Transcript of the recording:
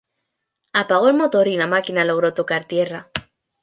Apagó el motor y la máquina logró tocar tierra.